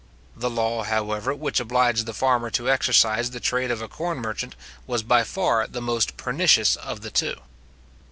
The law, however, which obliged the farmer to exercise the trade of a corn merchant was by far the most pernicious of the two.